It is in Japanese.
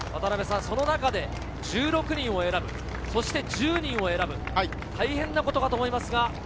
その中で１６人を選ぶ、そして１０人を選ぶ、大変なことだと思います。